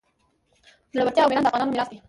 زړورتیا او میړانه د افغانانو میراث دی.